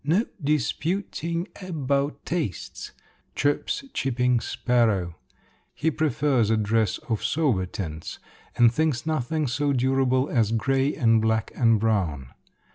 "No dis pu ting a bout tastes!" chirps chipping sparrow. He prefers a dress of sober tints and thinks nothing so durable as gray and black and brown.